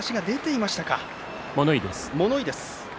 物言いです。